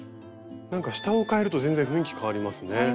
なんか下をかえると全然雰囲気変わりますね。